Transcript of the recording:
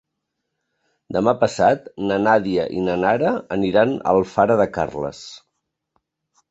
Demà passat na Nàdia i na Nara aniran a Alfara de Carles.